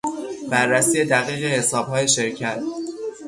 بررسی دقیق حسابهای شرکت